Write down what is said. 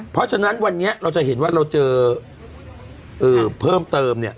เพราะฉะนั้นวันนี้เราจะเห็นว่าเราเจอเพิ่มเติมเนี่ย